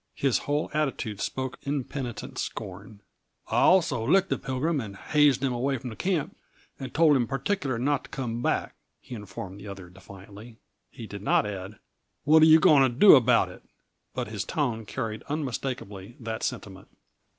His whole attitude spoke impenitent scorn. "I also licked the Pilgrim and hazed him away from camp and told him particular not to come back," he informed the other defiantly. He did not add, "What are you going to do about it?" but his tone carried unmistakably that sentiment.